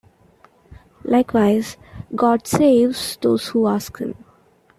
Likewise, God saves those who ask Him.